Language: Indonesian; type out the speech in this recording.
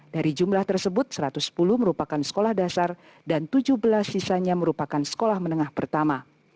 dari jumlah tersebut satu ratus sepuluh merupakan sekolah dasar dan tujuh belas sisanya merupakan sekolah menengah pertama